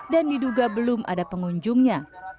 dan diduga belum ada pengunjungnya